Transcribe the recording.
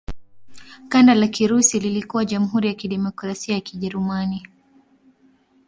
Kanda la Kirusi lilikuwa Jamhuri ya Kidemokrasia ya Kijerumani.